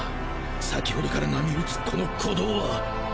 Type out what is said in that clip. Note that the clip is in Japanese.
先程から波打つこの鼓動は！？